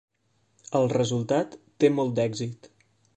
El resultat té molt d'èxit.